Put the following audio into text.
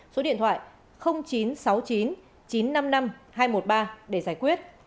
số điện thoại chín trăm sáu mươi chín chín trăm năm mươi năm hai trăm một mươi ba để giải quyết